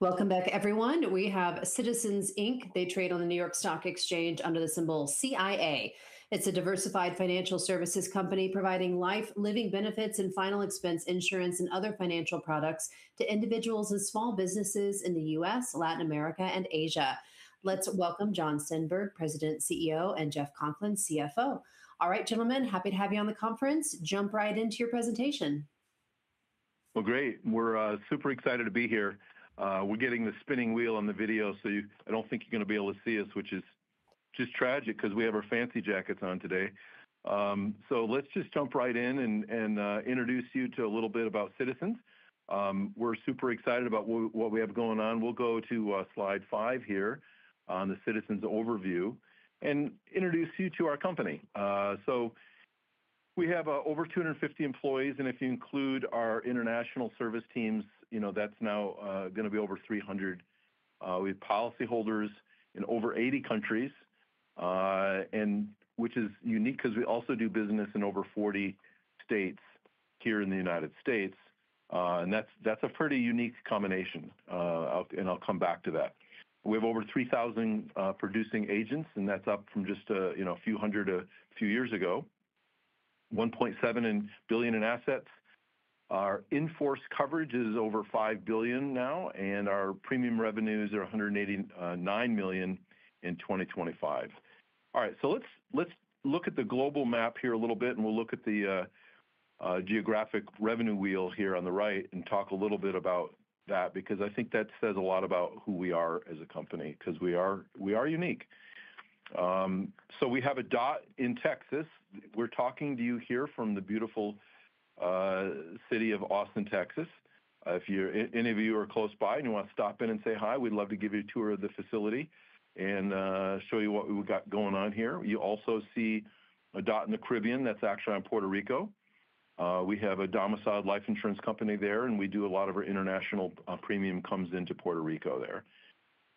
Welcome back, everyone. We have Citizens, Inc. They trade on the New York Stock Exchange under the symbol CIA. It's a diversified financial services company providing life, living benefits, and final expense insurance and other financial products to individuals and small businesses in the U.S., Latin America, and Asia. Let's welcome Jon Stenberg, President, CEO, and Jeff Conklin, CFO. Gentlemen, happy to have you on the conference. Jump right into your presentation. Great. We're super excited to be here. We're getting the spinning wheel on the video, I don't think you're going to be able to see us, which is just tragic because we have our fancy jackets on today. Let's just jump right in and introduce you to a little bit about Citizens. We're super excited about what we have going on. We'll go to slide five here on the Citizens overview and introduce you to our company. We have over 250 employees, if you include our international service teams, that's now going to be over 300. We have policyholders in over 80 countries, which is unique because we also do business in over 40 states here in the United States. That's a pretty unique combination, I'll come back to that. We have over 3,000 producing agents, that's up from just a few hundred a few years ago. $1.7 billion in assets. Our in-force coverage is over $5 billion now, our premium revenues are $189 million in 2025. Let's look at the global map here a little bit, we'll look at the geographic revenue wheel here on the right and talk a little bit about that, because I think that says a lot about who we are as a company, because we are unique. We have a dot in Texas. We're talking to you here from the beautiful city of Austin, Texas. If any of you are close by and you want to stop in and say hi, we'd love to give you a tour of the facility and show you what we've got going on here. You also see a dot in the Caribbean. That's actually in Puerto Rico. We have a domiciled life insurance company there, we do a lot of our international premium comes into Puerto Rico there.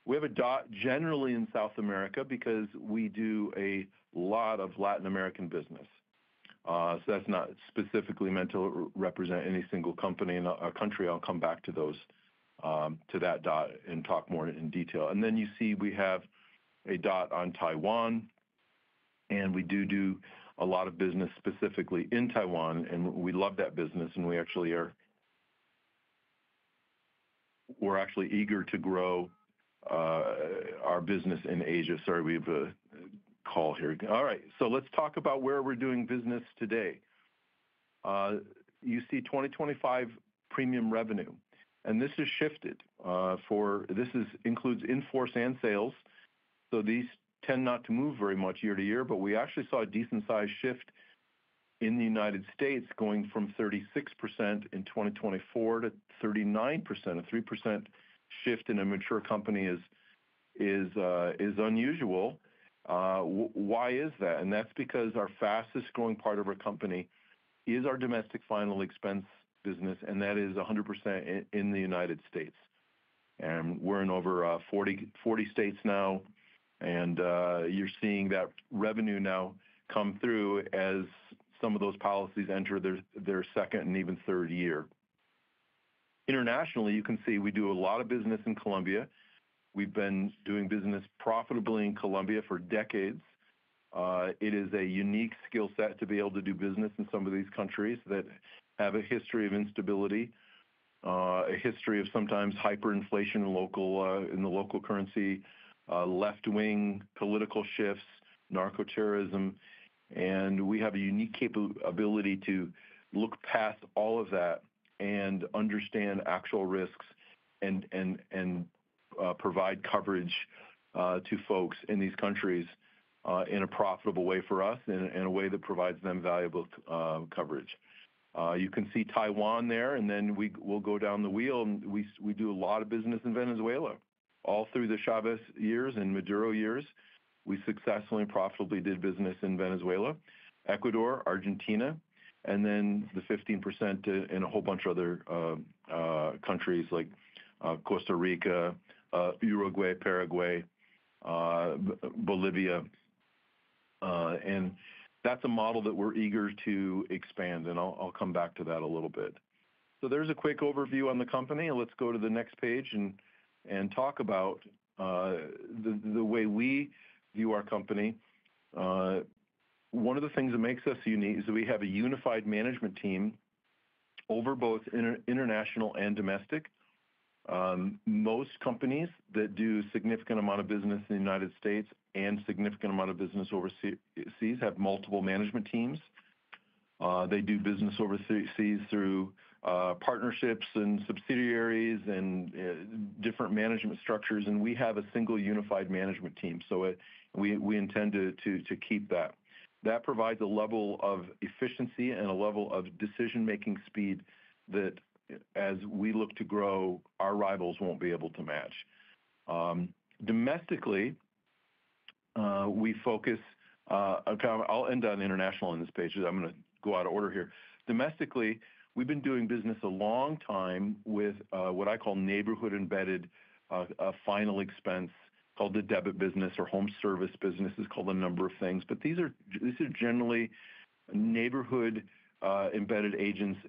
We have a dot generally in South America because we do a lot of Latin American business. That's not specifically meant to represent any single country, I'll come back to that dot and talk more in detail. You see we have a dot on Taiwan, we do do a lot of business specifically in Taiwan, we love that business we're actually eager to grow our business in Asia. Sorry, we have a call here. Let's talk about where we're doing business today. You see 2025 premium revenue, this has shifted. This includes in-force and sales. These tend not to move very much year to year, but we actually saw a decent size shift in the United States going from 36% in 2024 to 39%. A 3% shift in a mature company is unusual. Why is that? That's because our fastest growing part of our company is our domestic final expense business, and that is 100% in the United States. We're in over 40 states now, and you're seeing that revenue now come through as some of those policies enter their second and even third year. Internationally, you can see we do a lot of business in Colombia. We've been doing business profitably in Colombia for decades. It is a unique skill set to be able to do business in some of these countries that have a history of instability, a history of sometimes hyperinflation in the local currency, left-wing political shifts, narcoterrorism. We have a unique capability to look past all of that and understand actual risks and provide coverage to folks in these countries in a profitable way for us, in a way that provides them valuable coverage. You can see Taiwan there. We'll go down the wheel. We do a lot of business in Venezuela. All through the Chávez years and Maduro years, we successfully and profitably did business in Venezuela, Ecuador, Argentina, then the 15% in a whole bunch of other countries like Costa Rica, Uruguay, Paraguay, Bolivia. That's a model that we're eager to expand, and I'll come back to that a little bit. There's a quick overview on the company. Let's go to the next page and talk about the way we view our company. One of the things that makes us unique is that we have a unified management team over both international and domestic. Most companies that do significant amount of business in the United States and significant amount of business overseas have multiple management teams. They do business overseas through partnerships and subsidiaries and different management structures. We have a single unified management team. We intend to keep that. That provides a level of efficiency and a level of decision-making speed that as we look to grow, our rivals won't be able to match. I'll end on international on this page because I'm going to go out of order here. Domestically, we've been doing business a long time with what I call neighborhood-embedded final expense called the debit business or home service business. It's called a number of things, but these are generally neighborhood-embedded agents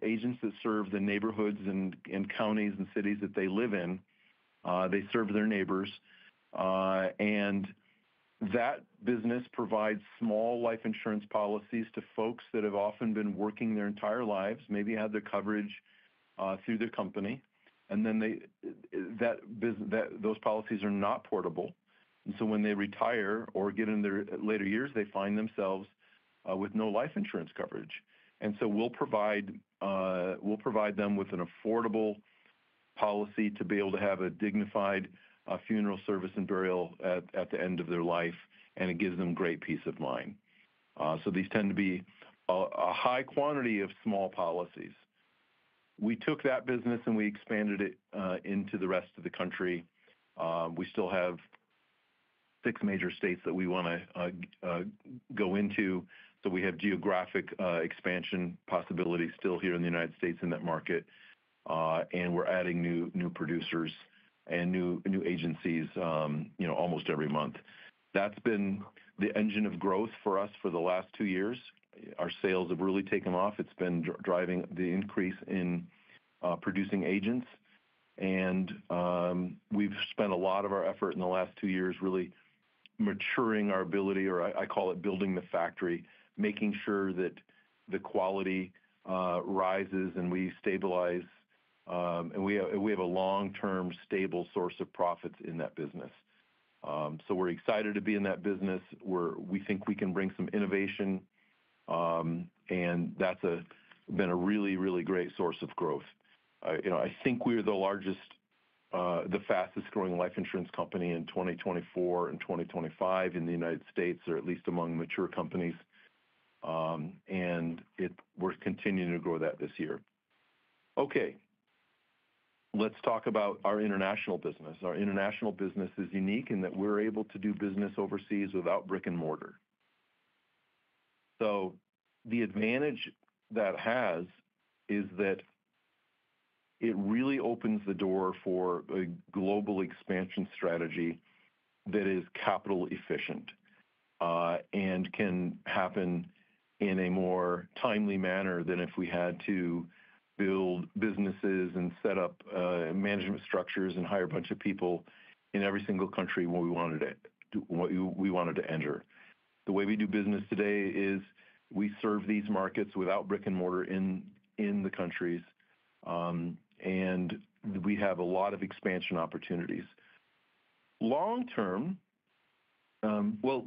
that serve the neighborhoods and counties and cities that they live in. They serve their neighbors. That business provides small life insurance policies to folks that have often been working their entire lives, maybe had their coverage through their company. Those policies are not portable. When they retire or get in their later years, they find themselves with no life insurance coverage. We'll provide them with an affordable policy to be able to have a dignified funeral service and burial at the end of their life, and it gives them great peace of mind. These tend to be a high quantity of small policies. We took that business and we expanded it into the rest of the country. We still have six major states that we want to go into. We have geographic expansion possibilities still here in the United States in that market. We're adding new producers and new agencies almost every month. That's been the engine of growth for us for the last two years. Our sales have really taken off. It's been driving the increase in producing agents. We've spent a lot of our effort in the last two years really maturing our ability, or I call it building the factory, making sure that the quality rises and we stabilize, and we have a long-term stable source of profits in that business. We're excited to be in that business. We think we can bring some innovation. That's been a really, really great source of growth. I think we're the largest, the fastest growing life insurance company in 2024 and 2025 in the United States, or at least among mature companies. We're continuing to grow that this year. Okay. Let's talk about our international business. Our international business is unique in that we're able to do business overseas without brick and mortar. The advantage that has is that it really opens the door for a global expansion strategy that is capital efficient, and can happen in a more timely manner than if we had to build businesses and set up management structures and hire a bunch of people in every single country where we wanted to enter. The way we do business today is we serve these markets without brick and mortar in the countries, and we have a lot of expansion opportunities. Long term, well,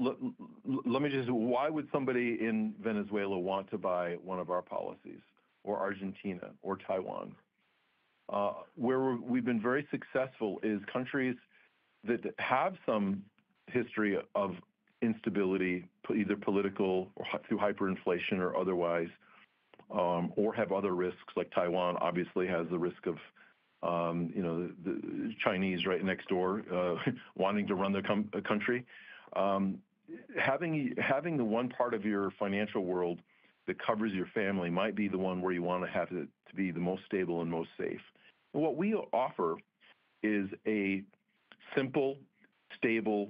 why would somebody in Venezuela want to buy one of our policies, or Argentina or Taiwan? Where we've been very successful is countries that have some history of instability, either political or through hyperinflation or otherwise, or have other risks, like Taiwan obviously has the risk of the Chinese right next door wanting to run their country. Having the one part of your financial world that covers your family might be the one where you want to have to be the most stable and most safe. What we offer is a simple, stable,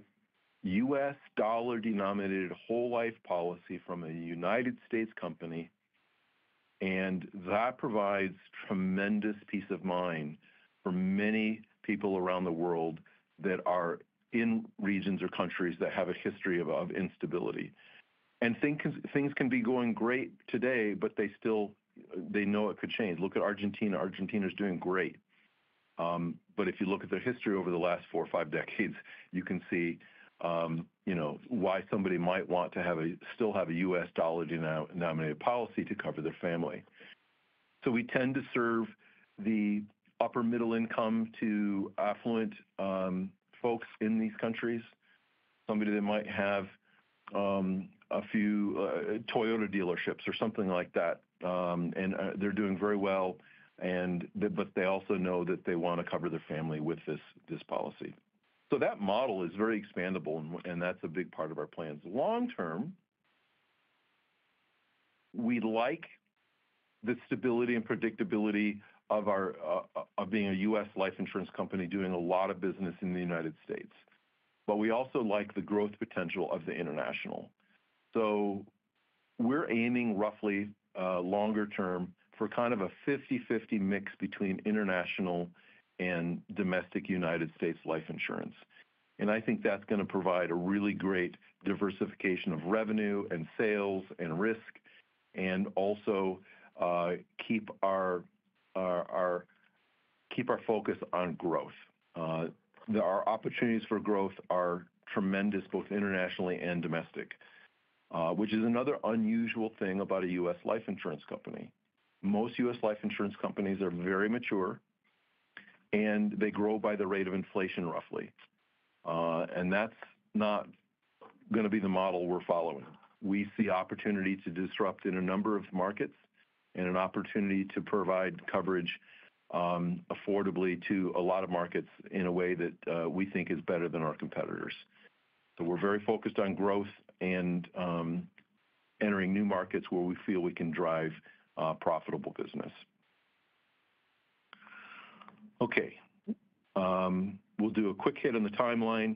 U.S. dollar denominated whole life policy from a United States. company, and that provides tremendous peace of mind for many people around the world that are in regions or countries that have a history of instability. Things can be going great today, but they know it could change. Look at Argentina. Argentina's doing great. If you look at their history over the last four or five decades, you can see why somebody might want to still have a U.S. dollar denominated policy to cover their family. We tend to serve the upper middle income to affluent folks in these countries, somebody that might have a few Toyota dealerships or something like that, and they're doing very well, but they also know that they want to cover their family with this policy. That model is very expandable, and that's a big part of our plans. Long term, we like the stability and predictability of being a U.S. life insurance company doing a lot of business in the United States. We also like the growth potential of the international. We're aiming roughly longer term for kind of a 50/50 mix between international and domestic United States life insurance. I think that's going to provide a really great diversification of revenue and sales and risk, and also keep our focus on growth. Our opportunities for growth are tremendous, both internationally and domestic, which is another unusual thing about a U.S. life insurance company. Most U.S. life insurance companies are very mature, and they grow by the rate of inflation roughly. That's not going to be the model we're following. We see opportunity to disrupt in a number of markets and an opportunity to provide coverage affordably to a lot of markets in a way that we think is better than our competitors. We're very focused on growth and entering new markets where we feel we can drive profitable business. Okay. We'll do a quick hit on the timeline.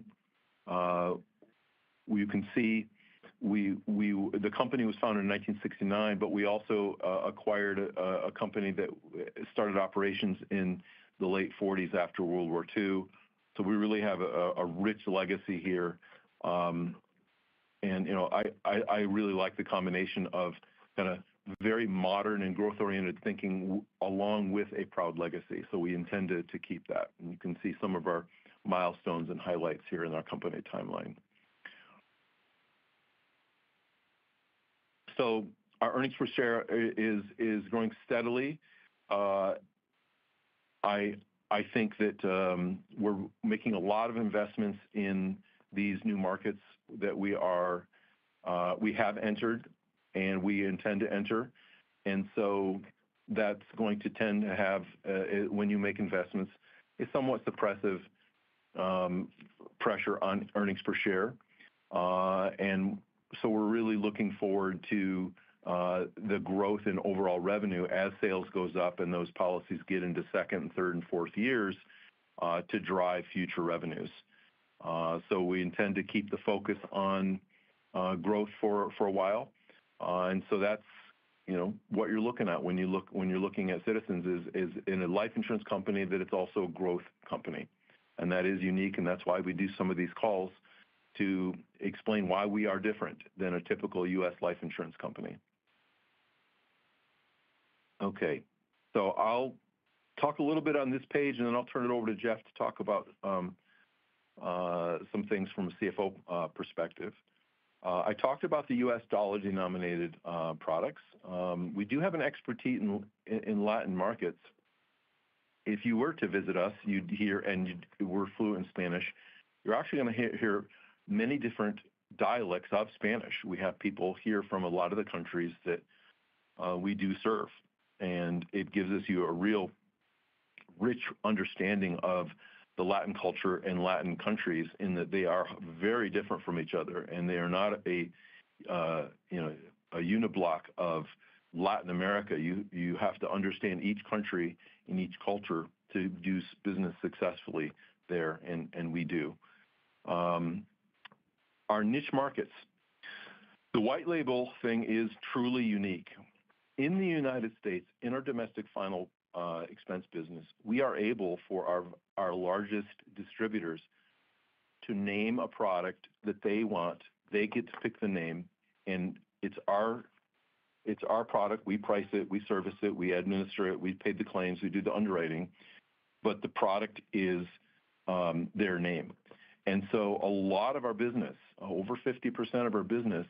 You can see the company was founded in 1969, but we also acquired a company that started operations in the late 1940s after World War II. We really have a rich legacy here. I really like the combination of very modern and growth-oriented thinking along with a proud legacy, we intend to keep that. You can see some of our milestones and highlights here in our company timeline. Our earnings per share is growing steadily. I think that we're making a lot of investments in these new markets that we have entered and we intend to enter. That's going to tend to have, when you make investments, a somewhat suppressive pressure on earnings per share. We're really looking forward to the growth in overall revenue as sales goes up and those policies get into second and third and fourth years to drive future revenues. We intend to keep the focus on growth for a while. That's what you're looking at when you're looking at Citizens is, in a life insurance company, that it's also a growth company. That is unique, and that's why we do some of these calls to explain why we are different than a typical U.S. life insurance company. Okay. I'll talk a little bit on this page, and then I'll turn it over to Jeff to talk about some things from a CFO perspective. I talked about the U.S. dollar-denominated products. We do have an expertise in Latin markets. If you were to visit us, and you were fluent in Spanish, you're actually going to hear many different dialects of Spanish. We have people here from a lot of the countries that we do serve, and it gives you a real rich understanding of the Latin culture and Latin countries in that they are very different from each other, and they are not a uniblock of Latin America. You have to understand each country and each culture to do business successfully there, and we do. Our niche markets. The white label thing is truly unique. In the United States, in our domestic final expense business, we are able, for our largest distributors, to name a product that they want, they get to pick the name, and it's our product. We price it, we service it, we administer it, we pay the claims, we do the underwriting, but the product is their name. A lot of our business, over 50% of our business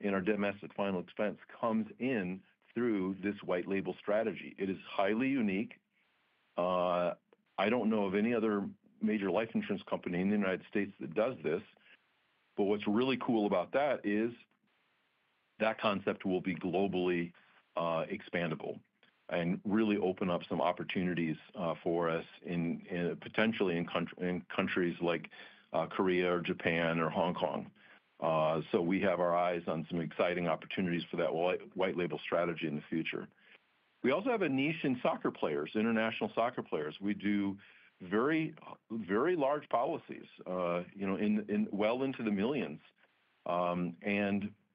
in our domestic final expense, comes in through this white label strategy. It is highly unique. I don't know of any other major life insurance company in the United States that does this. What's really cool about that is that concept will be globally expandable and really open up some opportunities for us potentially in countries like Korea or Japan or Hong Kong. We have our eyes on some exciting opportunities for that white label strategy in the future. We also have a niche in soccer players, international soccer players. We do very large policies well into the millions.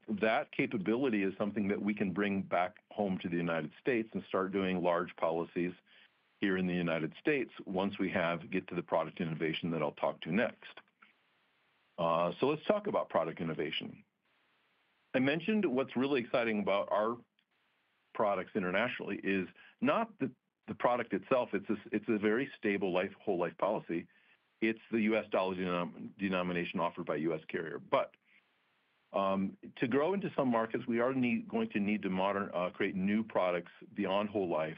That capability is something that we can bring back home to the United States and start doing large policies here in the United States once we get to the product innovation that I'll talk to next. Let's talk about product innovation. I mentioned what's really exciting about our products internationally is not the product itself. It's a very stable whole life policy. It's the U.S. dollar denomination offered by a U.S. carrier. To grow into some markets, we are going to need to create new products beyond whole life.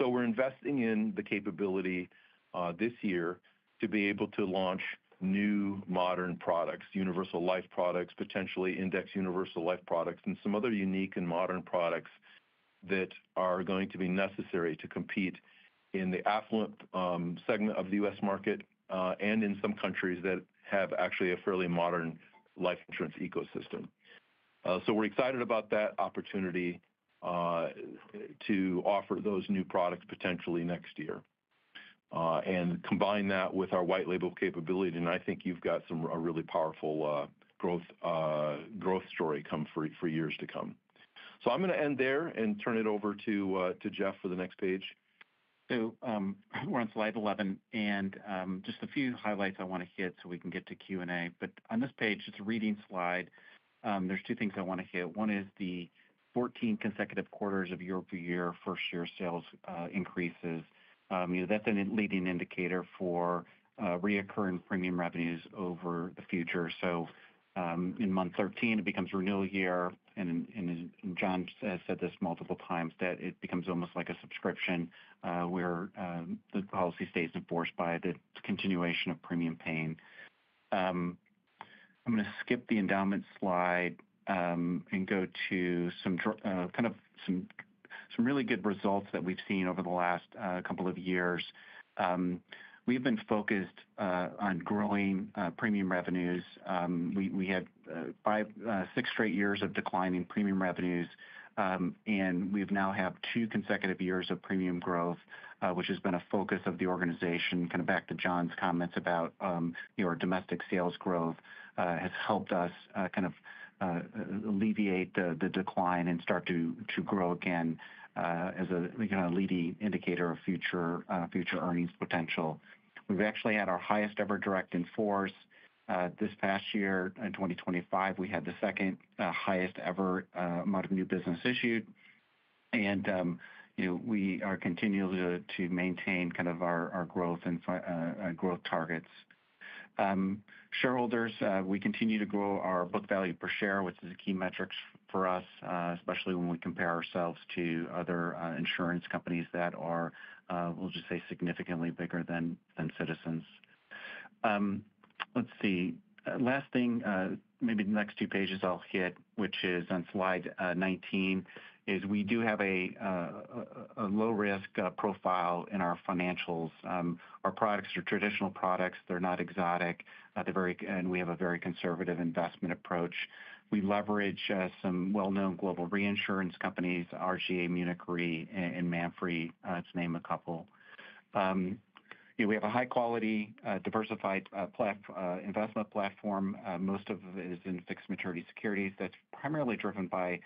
We're investing in the capability this year to be able to launch new modern products, universal life products, potentially index universal life products, and some other unique and modern products that are going to be necessary to compete in the affluent segment of the U.S. market and in some countries that have actually a fairly modern life insurance ecosystem. We're excited about that opportunity to offer those new products potentially next year. Combine that with our white label capability, and I think you've got a really powerful growth story for years to come. I'm going to end there and turn it over to Jeff for the next page. We're on slide 11, and just a few highlights I want to hit so we can get to Q&A. On this page, it's a reading slide. There's two things I want to hit. One is the 14 consecutive quarters of year-over-year first-year sales increases. That's a leading indicator for reoccurring premium revenues over the future. In month 13, it becomes renewal year, and as Jon said this multiple times, that it becomes almost like a subscription, where the policy stays in-force by the continuation of premium paying. I'm going to skip the endowment slide and go to some really good results that we've seen over the last couple of years. We have been focused on growing premium revenues. We had six straight years of declining premium revenues, we now have two consecutive years of premium growth, which has been a focus of the organization, back to Jon's comments about domestic sales growth has helped us alleviate the decline and start to grow again as a leading indicator of future earnings potential. We've actually had our highest ever direct in-force this past year. In 2025, we had the second highest ever amount of new business issued. We are continuing to maintain our growth and growth targets. Shareholders, we continue to grow our book value per share, which is a key metric for us, especially when we compare ourselves to other insurance companies that are, we'll just say, significantly bigger than Citizens. Let's see. Last thing, maybe the next two pages I'll hit, which is on slide 19, is we do have a low-risk profile in our financials. Our products are traditional products. They're not exotic. We have a very conservative investment approach. We leverage some well-known global reinsurance companies, RGA, Munich Re, and [Hannover Re], to name a couple. We have a high-quality, diversified investment platform. Most of it is in fixed maturity securities that's primarily driven by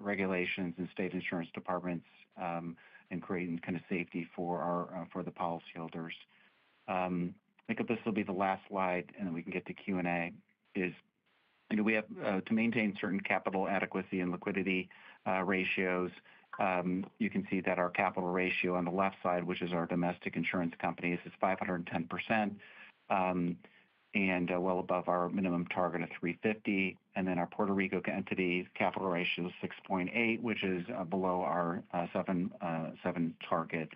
regulations and state insurance departments in creating kind of safety for the policyholders. I think this will be the last slide, then we can get to Q&A, is we have to maintain certain capital adequacy and liquidity ratios. You can see that our capital ratio on the left side, which is our domestic insurance companies, is 510%, and well above our minimum target of 350. Our Puerto Rico entity capital ratio is 6.8, which is below our seven target.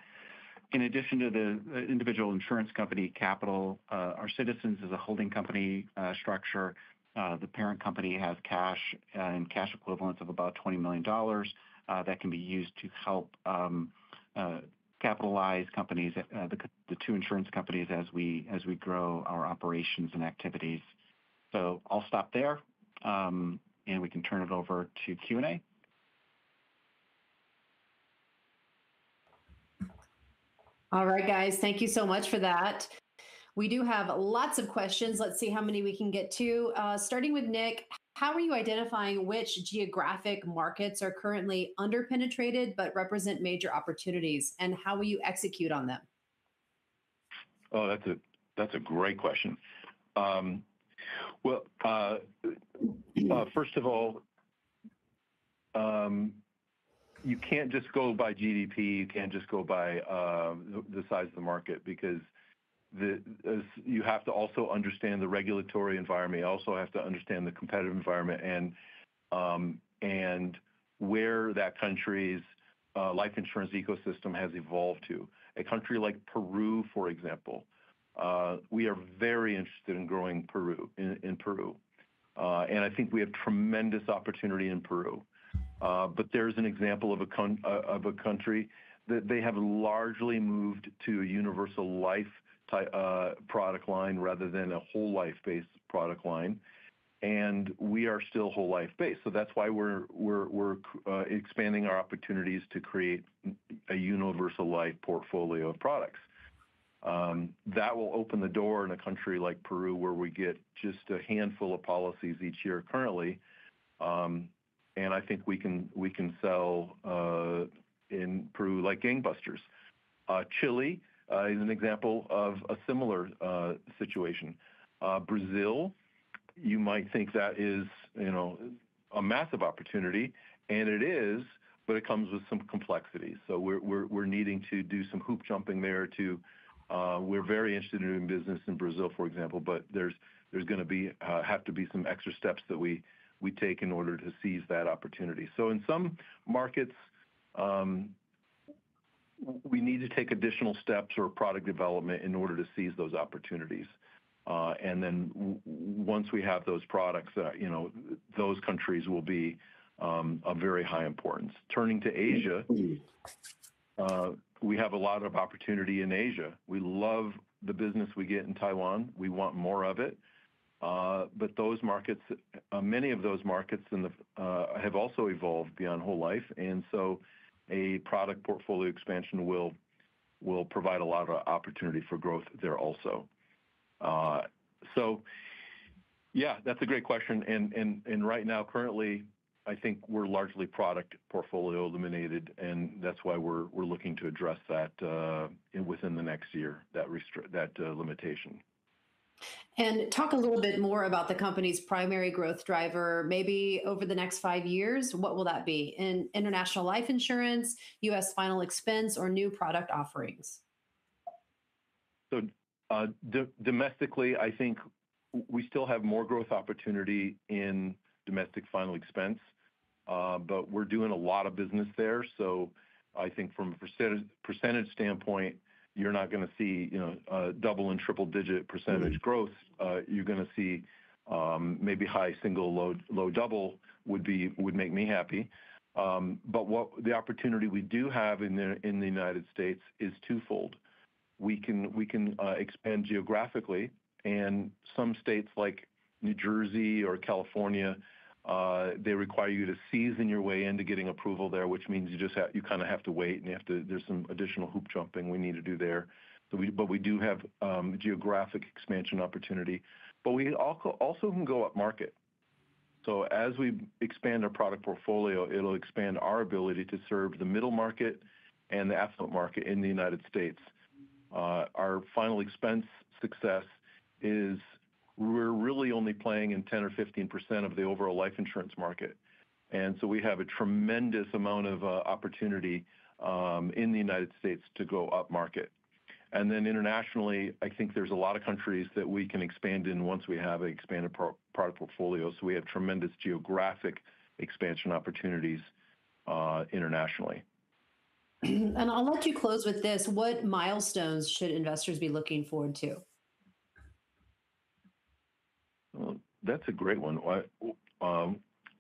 In addition to the individual insurance company capital, our Citizens is a holding company structure. The parent company has cash and cash equivalents of about $20 million that can be used to help capitalize the two insurance companies as we grow our operations and activities. I'll stop there, and we can turn it over to Q&A. All right, guys. Thank you so much for that. We do have lots of questions. Let's see how many we can get to. Starting with Nick, how are you identifying which geographic markets are currently under-penetrated but represent major opportunities, and how will you execute on them? That's a great question. First of all, you can't just go by GDP, you can't just go by the size of the market because you have to also understand the regulatory environment, you also have to understand the competitive environment, and where that country's life insurance ecosystem has evolved to. A country like Peru, for example, we are very interested in growing in Peru. I think we have tremendous opportunity in Peru. There's an example of a country that they have largely moved to a universal life product line rather than a whole life-based product line, and we are still whole life-based. That's why we're expanding our opportunities to create a universal life portfolio of products. That will open the door in a country like Peru where we get just a handful of policies each year currently. I think we can sell in Peru like gangbusters. Chile is an example of a similar situation. Brazil, you might think that is a massive opportunity, and it is, but it comes with some complexities. We're needing to do some hoop-jumping there, too. We're very interested in doing business in Brazil, for example, but there's going to have to be some extra steps that we take in order to seize that opportunity. In some markets, we need to take additional steps or product development in order to seize those opportunities. Once we have those products, those countries will be of very high importance. Turning to Asia, we have a lot of opportunity in Asia. We love the business we get in Taiwan. We want more of it. Many of those markets have also evolved beyond whole life, a product portfolio expansion will provide a lot of opportunity for growth there also. That's a great question, right now, currently, I think we're largely product portfolio eliminated, that's why we're looking to address that within the next year, that limitation. Talk a little bit more about the company's primary growth driver, maybe over the next five years, what will that be? In international life insurance, U.S. final expense, or new product offerings? Domestically, I think we still have more growth opportunity in domestic final expense, but we're doing a lot of business there. I think from a percentage standpoint, you're not going to see double and triple-digit percentage growth. You're going to see maybe high single, low double would make me happy. The opportunity we do have in the U.S. is twofold. We can expand geographically, and some states like New Jersey or California, they require you to season your way into getting approval there, which means you kind of have to wait and there's some additional hoop-jumping we need to do there. We do have geographic expansion opportunity. We also can go upmarket. As we expand our product portfolio, it'll expand our ability to serve the middle market and the affluent market in the United States. Our final expense success is we're really only playing in 10% or 15% of the overall life insurance market. We have a tremendous amount of opportunity in the United States. to go upmarket. Then internationally, I think there's a lot of countries that we can expand in once we have expanded product portfolios. We have tremendous geographic expansion opportunities internationally. I'll let you close with this. What milestones should investors be looking forward to? Well, that's a great one. Why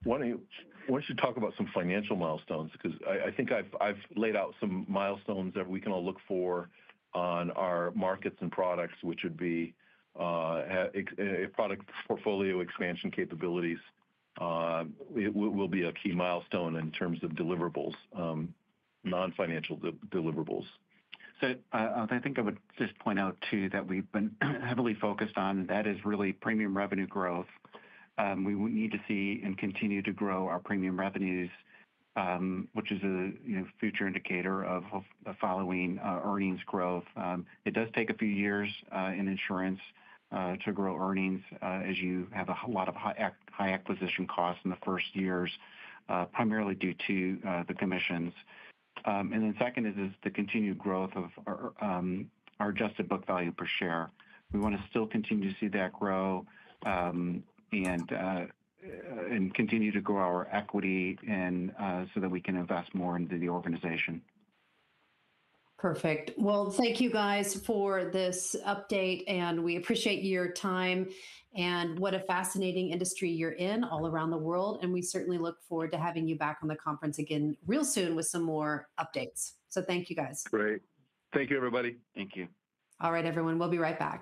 don't you talk about some financial milestones? I think I've laid out some milestones that we can all look for on our markets and products, which would be a product portfolio expansion capabilities will be a key milestone in terms of deliverables, non-financial deliverables. I think I would just point out, too, that we've been heavily focused on, that is really premium revenue growth. We need to see and continue to grow our premium revenues, which is a future indicator of following earnings growth. It does take a few years in insurance to grow earnings, as you have a lot of high acquisition costs in the first years, primarily due to the commissions. Second is the continued growth of our adjusted book value per share. We want to still continue to see that grow, and continue to grow our equity so that we can invest more into the organization. Perfect. Well, thank you guys for this update, and we appreciate your time. What a fascinating industry you're in all around the world, and we certainly look forward to having you back on the conference again real soon with some more updates. Thank you, guys. Great. Thank you, everybody. Thank you. All right, everyone, we'll be right back